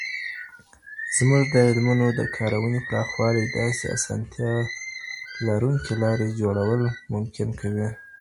زموږ د علومو د کاروني پراخوالی داسې اسانتیا لرونکي لاري جوړول ممکن کوي.